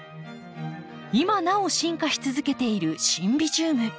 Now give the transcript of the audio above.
今なお進化し続けているシンビジウム。